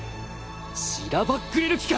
しらばっくれる気か！